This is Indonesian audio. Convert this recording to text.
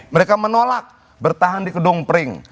mereka menolak bertahan di kedong pring